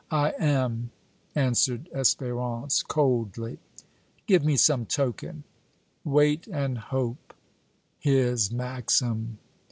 "I am," answered Espérance, coldly. "Give me some token." "'Wait and hope!'" "His maxim!"